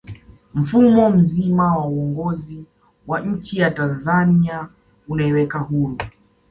mfumo mzima wa uongozi wa nchiya tanzania unaiweka huru